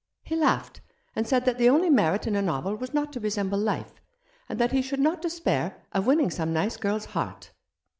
He laughed, and said that the only merit in a novel was not to resemble life, and that he should not despair of winning some nice girl's heart."